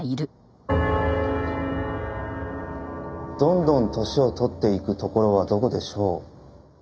どんどん歳をとっていくところはどこでしょう？